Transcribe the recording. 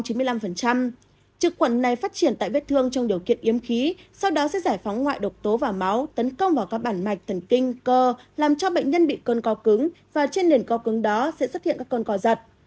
chức khuẩn này phát triển tại vết thương trong điều kiện yếm khí sau đó sẽ giải phóng ngoại độc tố và máu tấn công vào các bản mạch thần kinh cơ làm cho bệnh nhân bị cơn co cứng và trên nền co cứng đó sẽ xuất hiện các con cò giật